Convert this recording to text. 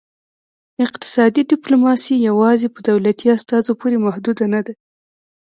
اقتصادي ډیپلوماسي یوازې په دولتي استازو پورې محدوده نه ده